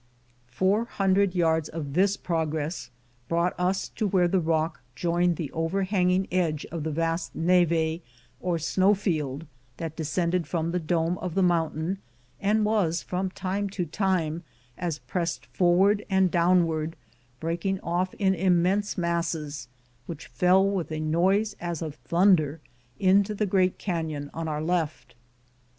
Four hundred yards of this progress brought us to where the rock jomed the overhangmg edge of the vast neve or snow field that descended from the dome of the mountain and was from time to time, as pressed forward and downward, breaking off in immense masses, which fell with a noise as of thunder into the great canyon on our left.